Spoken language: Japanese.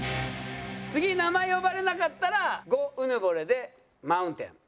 次名前呼ばれなかったら５うぬぼれでマウンテン。